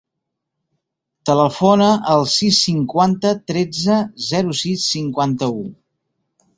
Telefona al sis, cinquanta, tretze, zero, sis, cinquanta-u.